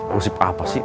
gosip apa sih